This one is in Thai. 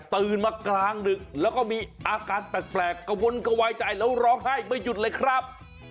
ตื่นมากลางดึกแล้วก็มีอาการแปลกกระวนกระวายใจแล้วร้องไห้ไม่หยุดเลยครับ